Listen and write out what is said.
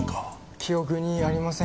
記憶にありません。